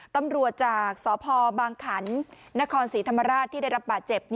ตำรวจจากสพบางขันนครศรีธรรมราชที่ได้รับบาดเจ็บ